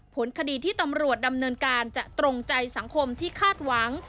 ผลคดีที่ตำรวจดำเนินการจะตรงใจสังคมที่คาดหวัง